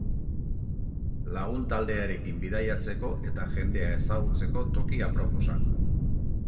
Lagun taldearekin bidaiatzeko eta jendea ezagutzeko toki aproposa.